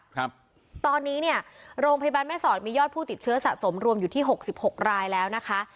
ครับตอนนี้เนี่ยโรงพยาบาลแม่สอดมียอดผู้ติดเชื้อสะสมรวมอยู่ที่หกสิบหกรายแล้วนะคะ